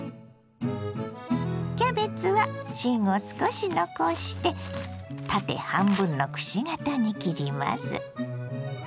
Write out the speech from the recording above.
キャベツは芯を少し残して縦半分のくし形に切ります。